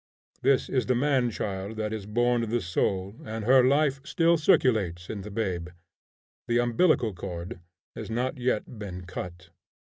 This is the man child that is born to the soul, and her life still circulates in the babe. The umbilical cord has not yet been cut.